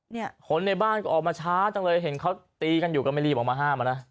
คนในบ้านก็ออกมาช้าจังเลยเห็นเขาตีกันอยู่ก็ไม่รีบออกมาห้ามอ่ะนะ